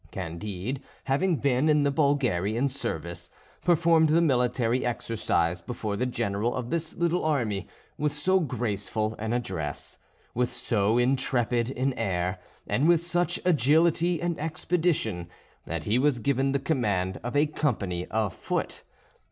Candide having been in the Bulgarian service, performed the military exercise before the general of this little army with so graceful an address, with so intrepid an air, and with such agility and expedition, that he was given the command of a company of foot.